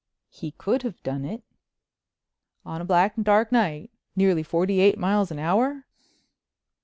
"He could have done it." "On a black, dark night? nearly forty eight miles an hour?"